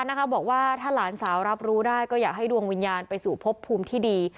นะคะบอกว่าถ้าหลานสาวรับรู้ได้ก็อยากให้ดวงวิญญาณไปสู่พบภูมิที่ดี